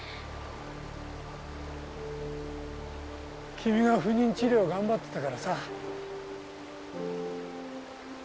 君が不妊治療頑張ってたからさ。